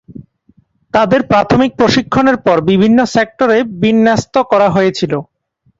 তাদের প্রাথমিক প্রশিক্ষণের পর বিভিন্ন সেক্টরে বিন্যস্ত করা হয়েছিলো।